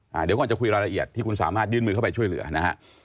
เดี๋ยวก่อนจะคุยรายละเอียดที่คุณสามารถยื่นมือเข้าไปช่วยเหลือนะฮะ